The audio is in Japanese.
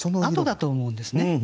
あとだと思うんですね。